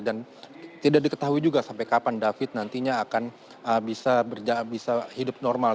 dan tidak diketahui juga sampai kapan david nantinya akan bisa hidup normal